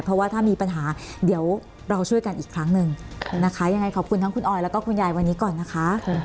เพราะว่าถ้ามีปัญหาเดี๋ยวเราช่วยกันอีกครั้งหนึ่งนะคะยังไงขอบคุณทั้งคุณออยแล้วก็คุณยายวันนี้ก่อนนะคะ